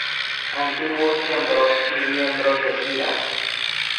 Antiguos Miembros y Miembros de giras